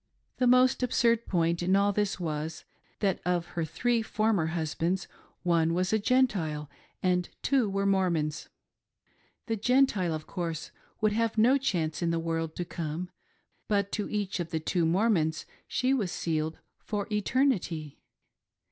The most absurd point in all this was, that of her three former husbands, one was a Gentile, and two were Mormons. The Gentile, of course, would have no chance in the world to come, but to each of the two Mormons she was sealed for eternity.